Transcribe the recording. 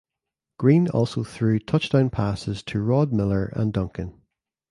Green also threw touchdown passes to Rod Miller and Duncan.